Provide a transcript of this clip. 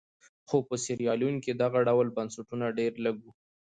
خو په سیریلیون کې دغه ډول بنسټونه ډېر لږ وو.